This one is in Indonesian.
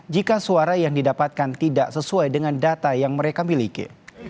jika suara yang didapatkan tidak sesuai dengan data yang mereka miliki